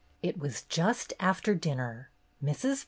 It was just after dinner. Mrs.